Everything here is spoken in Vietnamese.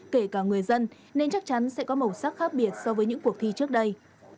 kể cả người dân nên chắc chắn sẽ có màu sắc khác biệt so với những cuộc thi trước đây